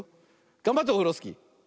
がんばってオフロスキー。